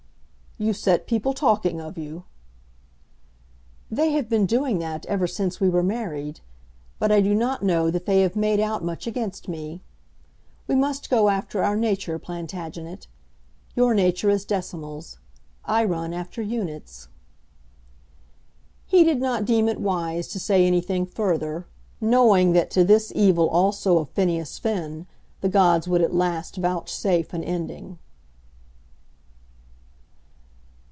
"You set people talking of you." "They have been doing that ever since we were married; but I do not know that they have made out much against me. We must go after our nature, Plantagenet. Your nature is decimals. I run after units." He did not deem it wise to say anything further, knowing that to this evil also of Phineas Finn the gods would at last vouchsafe an ending.